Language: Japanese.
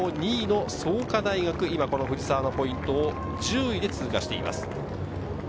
そして前回総合２位の創価大学、今、藤沢のポイントを１０位で通過しています。